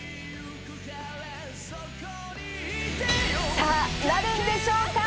さあ、なるんでしょうか？